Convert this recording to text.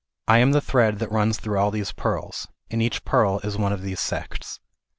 " I am the thread that runs through all these pearls," and each pearl is one of these sects.